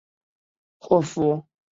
佛霍夫染色突出显示弹性蛋白。